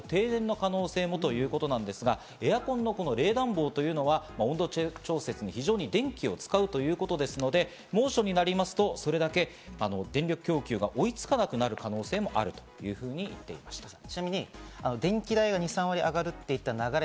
今年、猛暑になると停電の可能性もということですが、エアコンの冷暖房というのは温度調節に非常に電気を使うということですので猛暑になりますと、それだけ電力供給が追いつかなくなる可能性もあるというふうに言っていました。